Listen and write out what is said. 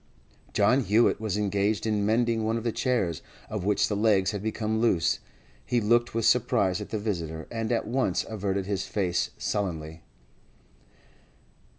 John Hewett was engaged in mending one of the chairs, of which the legs had become loose. He looked with surprise at the visitor, and at once averted his face sullenly.